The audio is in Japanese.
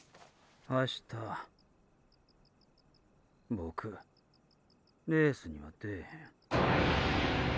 ボクレースには出えへん。